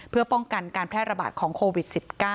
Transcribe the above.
เพื่อป้องกันการแพร่ระบาดของโควิด๑๙